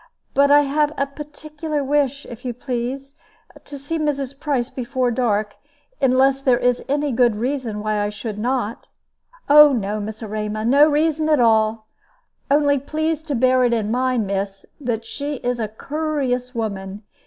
But I have a particular wish, if you please, to see Mrs. Price before dark, unless there is any good reason why I should not." "Oh no, Miss Erma, no reason at all. Only please to bear in mind, miss, that she is a coorous woman.